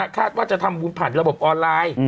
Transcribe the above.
คาดว่าจะทำบุญผ่านระบบออนไลน์